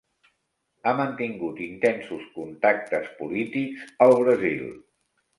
Ha mantingut intensos contactes polítics al Brasil.